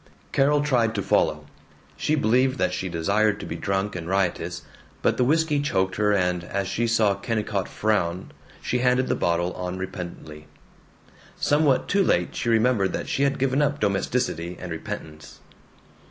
Carol tried to follow; she believed that she desired to be drunk and riotous; but the whisky choked her and as she saw Kennicott frown she handed the bottle on repentantly. Somewhat too late she remembered that she had given up domesticity and repentance.